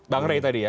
bang rey tadi ya